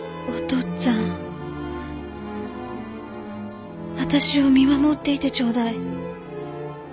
っつぁん私を見守っていてちょうだい。